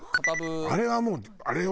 あれはもうあれよ。